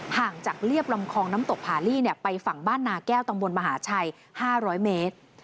ห่างจากเรียบลำคองน้ำตกผาลี่ไปฝั่งบ้านนาแก้วตำบลมหาชัย๕๐๐เมตร